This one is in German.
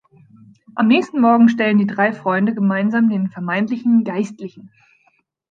Am nächsten Morgen stellen die drei Freunde gemeinsam den vermeintlichen Geistlichen.